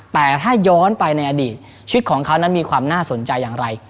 แต่ถ้าย้อนไปในอดีตชีวิตของเขานั้นมีความน่าสนใจอย่างไร